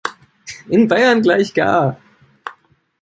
In Bayern gleich gar.